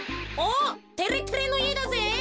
てれてれのいえだぜ。